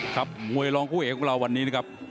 ครับมวยรองคู่เอกของเราวันนี้นะครับ